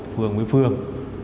phường với phường